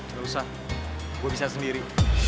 nggak usah gue bisa sendiri